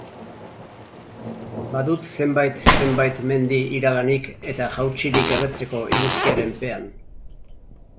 Badut zenbait zenbait mendi iraganik eta jautsirik erretzeko iguzkiaren pean.